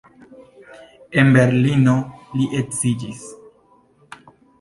En Berlino li edziĝis.